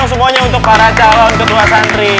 semuanya untuk para calon ketua santri